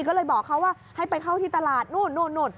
ก็เลยบอกเขาว่าให้ไปเข้าที่ตลาดนู่น